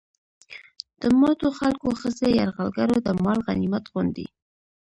د ماتو خلکو ښځې يرغلګرو د مال غنميت غوندې